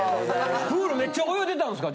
プールめっちゃ泳いでたんですか。